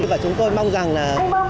và chúng tôi mong rằng là